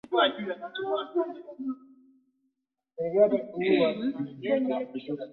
vita vya bosnia vilifanyika mwaka elfu moja mia tisa tisini